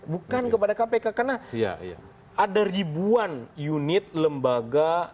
bukan kepada kpk karena ada ribuan unit lembaga